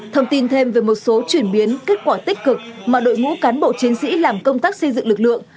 thông tin thêm về một số chuyển biến kết quả tích cực mà đội ngũ cán bộ chiến sĩ làm công tác xây dựng lực lượng